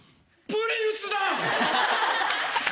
プリウス？